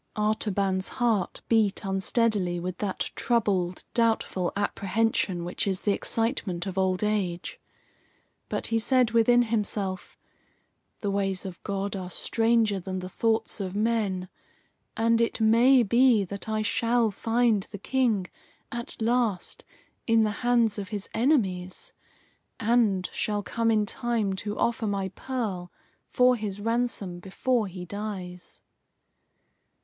Artaban's heart beat unsteadily with that troubled, doubtful apprehension which is the excitement of old age. But he said within himself: "The ways of God are stranger than the thoughts of men, and it may be that I shall find the King, at last, in the hands of his enemies, and shall come in time to offer my pearl for his ransom before he dies."